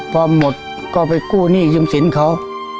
พ่อหมดก็ไปกู้หนี้ยุมศรินต์เค้า